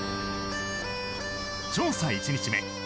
調査１日目。